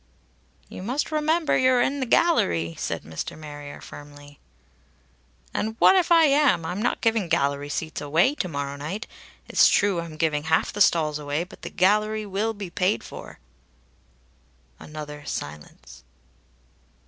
"You must remember you're in the gallery," said Mr. Marrier firmly. "And what if I am! I'm not giving gallery seats away to morrow night. It's true I'm giving half the stalls away, but the gallery will be paid for." Another silence.